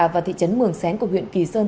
và thị trấn mường xén của huyện kỳ sơn